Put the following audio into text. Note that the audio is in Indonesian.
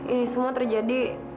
ini semua terjadi